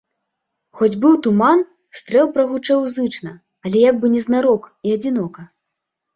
Хоць быў туман, стрэл прагучэў зычна, але як бы незнарок і адзінока.